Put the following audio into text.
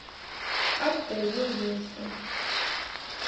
Ар дэеу есы.